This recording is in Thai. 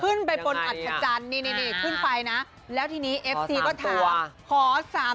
ขึ้นไปบนอัธจันทร์นี่ขึ้นไปนะแล้วทีนี้เอฟซีก็ถาม